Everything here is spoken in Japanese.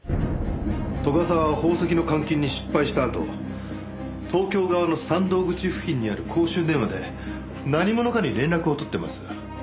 斗ヶ沢は宝石の換金に失敗したあと東京側の山道口付近にある公衆電話で何者かに連絡を取っています。